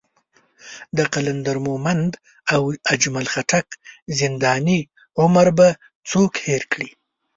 د قلندر مومند او اجمل خټک زنداني عمر به څوک هېر کړي.